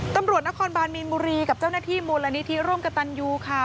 ตำรวจนครบานมีนบุรีกับเจ้าหน้าที่มูลนิธิร่วมกับตันยูค่ะ